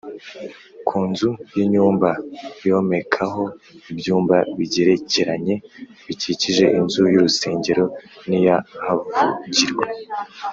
Ku nzu y’inyumba yomekaho ibyumba bigerekeranye bikikije inzu y’urusengero n’iy’ahavugirwa